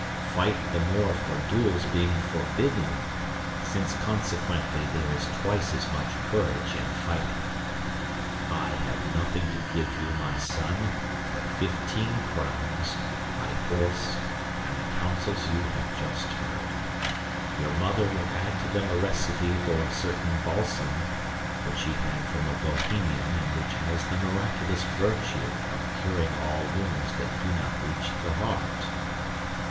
Fight the more for duels being forbidden, since consequently there is twice as much courage in fighting. I have nothing to give you, my son, but fifteen crowns, my horse, and the counsels you have just heard. Your mother will add to them a recipe for a certain balsam, which she had from a Bohemian and which has the miraculous virtue of curing all wounds that do not reach the heart.